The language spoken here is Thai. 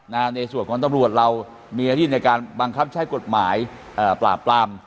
ในส่วนของตำรวจเรามีหน้าที่ในการบังคับใช้กฎหมายปราบปราม